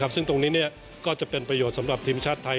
ซึ่งตรงนี้ก็จะเป็นประโยชน์สำหรับทีมชาติไทย